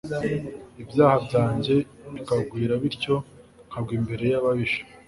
ibyaha byanjye bikagwira bityo nkagwa imbere y'ababisha